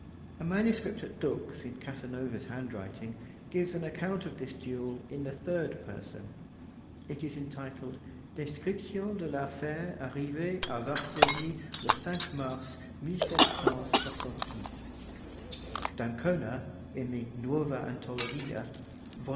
A manuscript at Dux in Casanova's handwriting gives an account of this duel in the third person; it is entitled, 'Description de l'affaire arrivee a Varsovie le 5 Mars, 1766'. D'Ancona, in the Nuova Antologia (vol.